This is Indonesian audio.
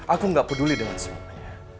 aku gak peduli dengan semuanya